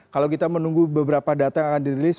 kalau kita menunggu beberapa data yang akan dirilis